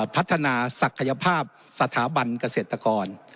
พัฒนาศักยภาพสถาบันเกษตรกร